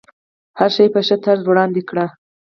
هر شی په ښه طرز وړاندې کړه.